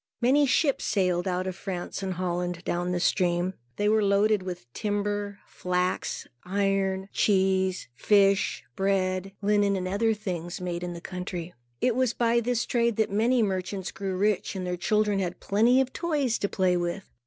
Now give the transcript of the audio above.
Many ships sailed out of France and Holland, down this stream. They were loaded with timber, flax, iron, cheese, fish, bread, linen, and other things made in the country. It was by this trade that many merchants grew rich, and their children had plenty of toys to play with.